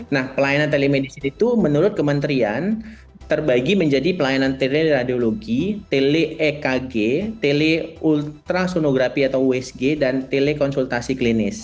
nah pelayanan telemedicine itu menurut kementerian terbagi menjadi pelayanan teleradiologi tele ekg tele ultrasonografi atau wsg dan telekonsultasi klinis